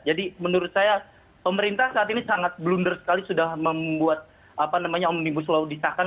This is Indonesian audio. jadi menurut saya pemerintah saat ini sangat blunder sekali sudah membuat om nibus law disahkan